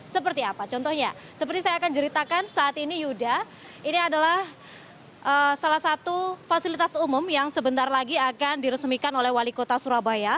seperti apa contohnya seperti saya akan ceritakan saat ini yuda ini adalah salah satu fasilitas umum yang sebentar lagi akan diresmikan oleh wali kota surabaya